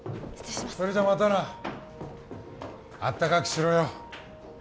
それじゃまたなあったかくしろよ